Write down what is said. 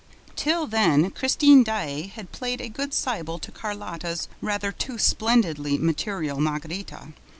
Till then, Christine Daae had played a good Siebel to Carlotta's rather too splendidly material Margarita.